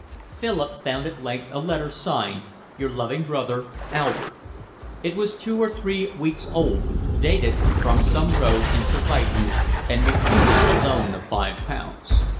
Philip found at length a letter signed: your loving brother, Albert. It was two or three weeks old, dated from some road in Surbiton, and refused a loan of five pounds.